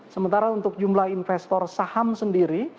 sementara untuk jumlah investor saham sendiri